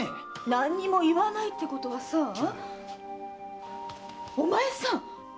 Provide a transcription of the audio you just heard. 何も言わないってことはさお前さん！